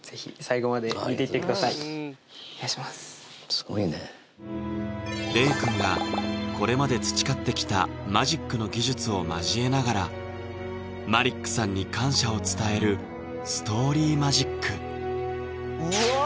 すごいね玲くんがこれまで培ってきたマジックの技術を交えながらマリックさんに感謝を伝えるうわっ！